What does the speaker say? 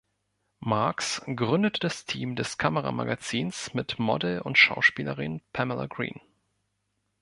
Marks gründete das Team des Kamera-Magazins mit Model und Schauspielerin Pamela Green.